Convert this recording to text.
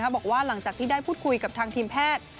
บอกว่าหลังจากที่ได้พูดคุยกับทางทีมแพทย์